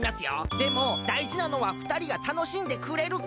でもだいじなのはふたりがたのしんでくれるかですよね。